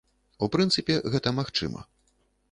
У прынцыпе гэта магчыма.